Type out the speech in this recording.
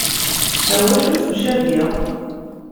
Ɣer wacu ttemcabiɣ?